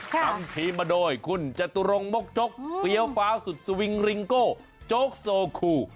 ตำพรีมาโดยคุณเจตุรงมกจกเกลียวฟ้าสุดสวิงลิงโกจกโซคู